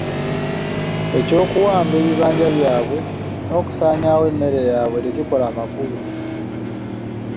Eky'okuwamba ebibanja byabwe n'okusaanyaawo emmere yaabwe tekikola makulu.